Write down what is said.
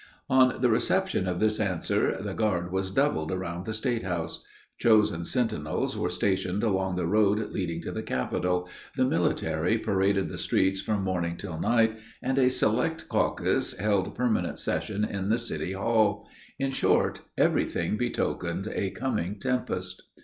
On the reception of this answer, the guard was doubled around the state house. Chosen sentinels were stationed along the road leading to the capital, the military paraded the streets from morning till night, and a select caucus held permanent session in the city hall. In short, everything betokened a coming tempest.